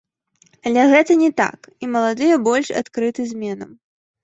Але гэта не так, і маладыя больш адкрыты зменам.